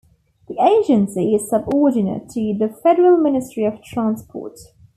The agency is subordinate to the Federal Ministry of Transport.